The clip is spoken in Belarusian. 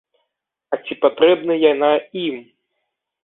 А ці патрэбна яна ім?